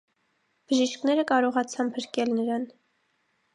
Բժիշկները կարողացան փրկել նրան։